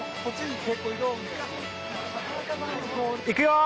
いくよ！